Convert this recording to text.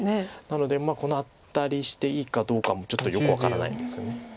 なのでこのアタリしていいかどうかもちょっとよく分からないんですよね。